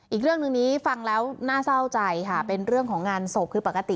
อีกเรื่องหนึ่งนี้ฟังแล้วน่าเศร้าใจค่ะเป็นเรื่องของงานศพคือปกติ